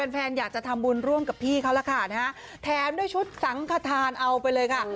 แฟนอยากจะทำบุญร่วมกับพี่เขาล่ะค่ะนะฮะแถมด้วยชุดสังขทานเอาไปเลยค่ะ